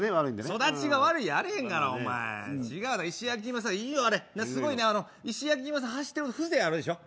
育ちが悪いあれへんがなお前違う石焼き芋屋さんいいよあれすごいねあの石焼き芋屋さん走ってると風情あるでしょ